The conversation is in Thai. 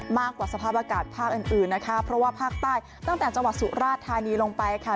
มากกว่าสภาพอากาศภาคอื่นอื่นนะคะเพราะว่าภาคใต้ตั้งแต่จังหวัดสุราชธานีลงไปค่ะ